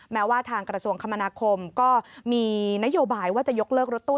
แม้ว่าทางกระทรวงคมนาคมก็มีนโยบายว่าจะยกเลิกรถตู้